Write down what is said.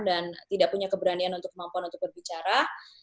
dan tidak punya keberanian untuk kemampuan untuk berbicara